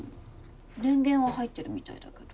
電源は入ってるみたいだけど。